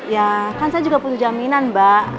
ya kan saya juga butuh jaminan mbak